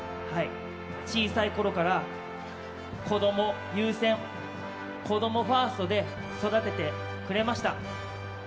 小さいころから子供優先、子供ファーストで育ててくれました。